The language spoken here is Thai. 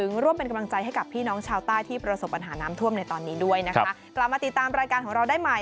สวัสดีค่ะสวัสดีครับ